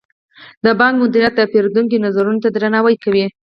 د بانک مدیریت د پیرودونکو نظرونو ته درناوی کوي.